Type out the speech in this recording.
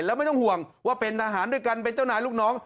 แล้วไม่ต้องห่วงว่าเป็นทหารด้วยกันเป็นเจ้านายลูกน้อง